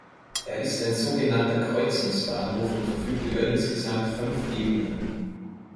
Er ist ein so genannter Kreuzungsbahnhof und verfügt über insgesamt fünf Ebenen.